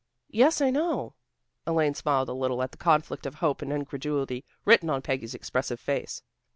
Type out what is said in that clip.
"Yes, I know." Elaine smiled a little at the conflict of hope and incredulity written on Peggy's expressive face.